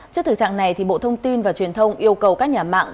trước thời trạng này thì bộ thông tin và truyền thông yêu cầu các nhà mạng